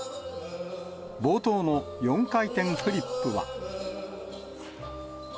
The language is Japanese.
冒頭の４回転フリップは。